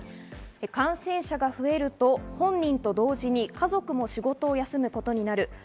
感染者が増えると本人と同時に家族も仕事を休むことになる。